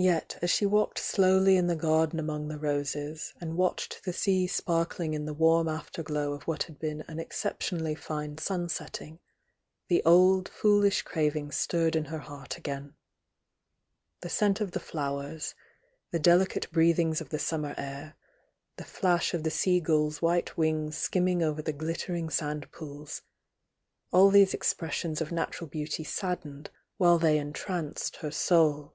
Yet, as she walked slowly in the garden among the roses, and watched the sea sparkling in the warm after glow of what had been an exceptionally fine sun setting, the ol( foolish craving stirred in her heart again. The scent of the flowers, the delicate breath ings of the summer air, the flash of the sea gulls' white wings skimming over the ghttering sand pools, —all these expressions of natural beauty saddened while they entranced her soul.